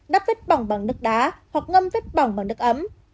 nắp vết bỏng bằng nước đá hoặc ngâm vết bỏng bằng nước ấm